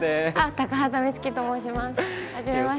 高畑充希と申します。